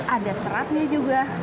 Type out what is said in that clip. ada seratnya juga